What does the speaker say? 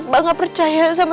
tidak kita harus masuk rumah